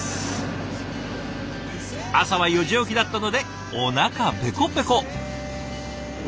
朝は４時起きだったのでおなかペコペコ。